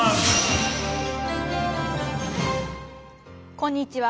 こんにちは。